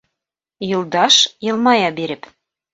Юлдаш, йылмая биреп: